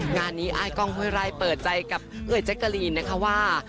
งานนี้อ้ายกล้องห้วยไร่เปิดใจกับเอ่ยแจ๊กกะลีนนะคะว่า